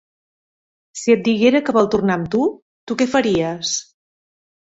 Si et diguera que vol tornar amb tu, tu què faries?